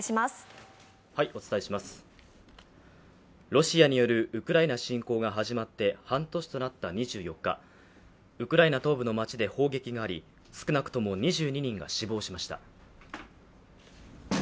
ロシアによるウクライナ侵攻が始まって半年となった２４日ウクライナ東部の町で砲撃があり少なくとも２２人が死亡しました。